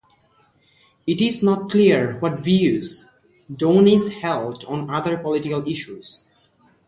It is not clear what views Downes held on other political issues.